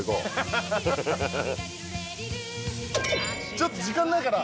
ちょっと時間ないから。